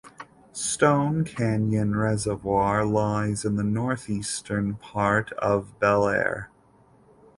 Stone Canyon Reservoir lies in the northeastern part of Bel Air.